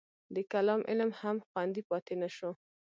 د کلام علم هم خوندي پاتې نه شو.